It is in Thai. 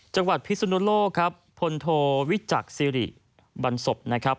จังหวัดพิศุนโลกครับพลโทวิจักษ์ซิริบรรสบนะครับ